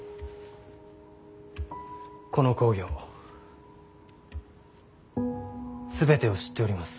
この公暁全てを知っております。